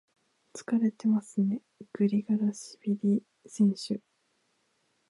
疲れてますね、グリガラシビリ選手。